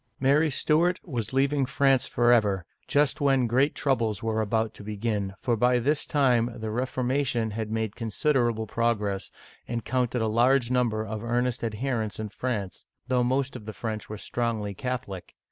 Mary Stuart was leaving France forever, just when great troubles were about to begin, for by this time the Reformation had made considerable progress, and counted a large number of earnest adherents in France, though most of the French were strongly Catholic.